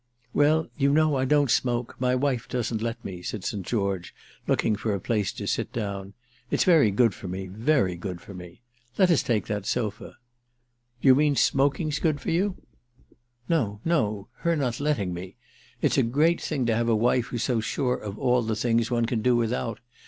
"Well, you know, I don't smoke—my wife doesn't let me," said St. George, looking for a place to sit down. "It's very good for me—very good for me. Let us take that sofa." "Do you mean smoking's good for you?" "No no—her not letting me. It's a great thing to have a wife who's so sure of all the things one can do without.